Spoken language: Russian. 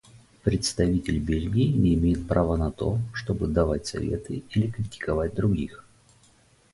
Представитель Бельгии не имеет права на то, чтобы давать советы или критиковать других.